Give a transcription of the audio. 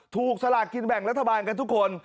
สลากกินแบ่งรัฐบาลกันทุกคน